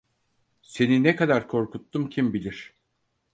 Seni ne kadar korkuttum kim bilir?